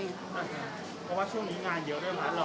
เพราะว่าช่วงนี้งานเยอะได้ร้านเรา